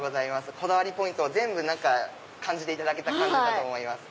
こだわりポイントを全部感じていただけたと思います。